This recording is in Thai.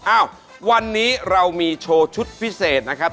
อ้าววันนี้เรามีโชว์ชุดพิเศษนะครับ